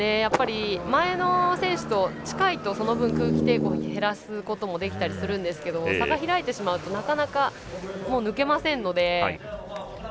前の選手と近いとその分、空気抵抗を減らすこともできたりするんですけれども差が開いてしまうとなかなか抜けませんので。